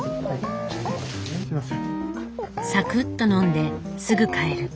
サクッと飲んですぐ帰る。